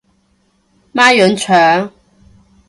孖膶腸